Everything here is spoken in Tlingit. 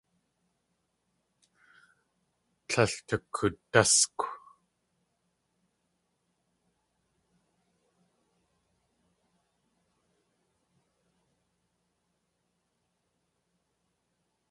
Tlél tukoodáskw.